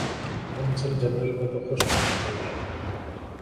قونصل جنرل کو تو خوش ہونا چاہیے۔